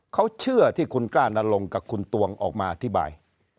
เขาเชื่อที่คุณกล้านลงกับคุณตวงออกมาอธิบาย